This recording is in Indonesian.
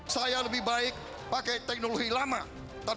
saya lebih baik pakai teknologi lama